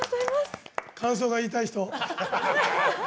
感想が言いたい人。